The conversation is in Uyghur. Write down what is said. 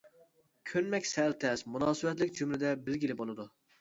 كۆنمەك سەل تەل، مۇناسىۋەتلىك جۈملىدە بىلگىلى بولىدۇ.